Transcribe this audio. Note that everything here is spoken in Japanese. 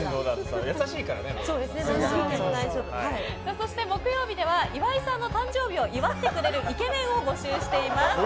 そして、木曜日では岩井さんの誕生日を祝ってくれるイケメンを募集しています。